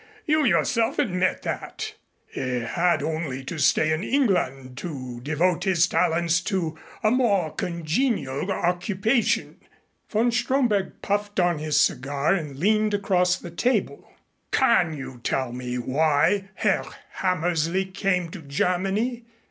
You yourself admit that. He had only to stay in England to devote his talents to a more congenial occupation." Von Stromberg puffed on his cigar and leaned across the table. "Can you tell me why Herr Hammersley came to Germany?